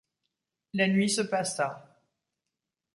La nuit se passa.